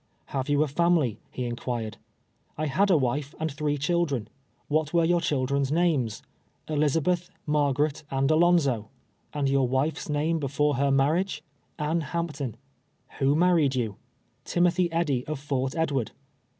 " Have you a family ?" he inquired. " I had a wife and tliree children." "What were your cliildren's names? " "Elizabetli, Margaret and Alonzo." " And your wife's name before her marriage ?" "Anne Hampton." " Who married you \" "Timothy Kddy, of Fort Edward."